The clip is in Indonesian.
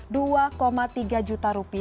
ini dipatok sebesar rp dua